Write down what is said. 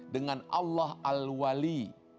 dengan allah al wali